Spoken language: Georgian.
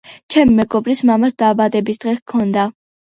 ჩემი მეგობრის მამას დაბადებისდღე ჰქონდა.